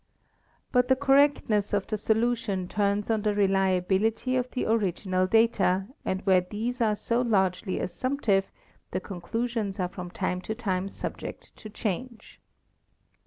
But the correctness of the solution turns on the reliability of the original data, and where these are so largely as sumptive the conclusions are from time to time subject to change.